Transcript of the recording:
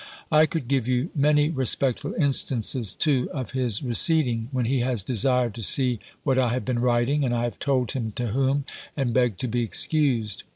I could give you many respectful instances too, of his receding, when he has desired to see what I have been writing, and I have told him to whom, and begged to be excused.